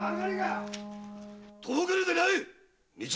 陸奥屋！とぼけるでない！